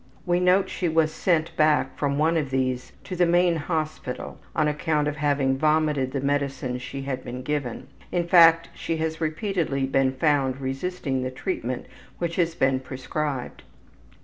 We note she was sent back from one of these to the main hospital on account of having vomited the medicine she had been given. In fact, she has repeatedly been found resisting the treatment which had been prescribed.